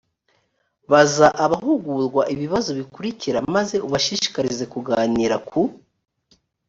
baza abahugurwa ibibazo bikurikira maze ubashishikarize kuganira ku